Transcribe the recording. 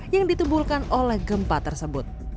yang ditebulkan oleh gempa tersebut